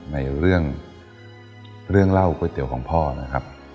ในเรื่องเรื่องเล่าก๋วยเตี๋ยวของพ่อนะครับ